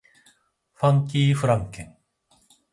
ファンキーフランケン